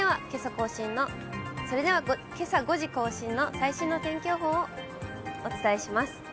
それではけさ５時更新の最新の天気予報をお伝えします。